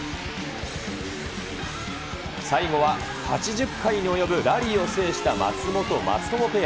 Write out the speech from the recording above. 最後は８０回に及ぶラリーを制した松本・松友ペア。